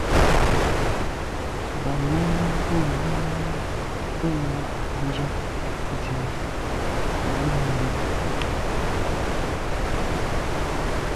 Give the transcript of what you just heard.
Ba nǎmî bû Nánái bɛ̂n náɁ ják ndzwə́ á gə́ Númíi.